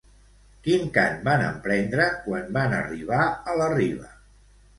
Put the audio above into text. Quin cant van emprendre quan van arribar a la riba?